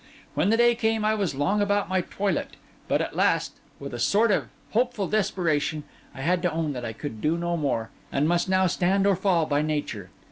When the day came I was long about my toilet; but at last, with a sort of hopeful desperation, I had to own that I could do no more, and must now stand or fall by nature.